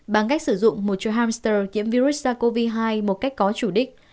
bằng cách sử dụng một chôi hamster kiểm virus sars cov hai một cách có chủ đích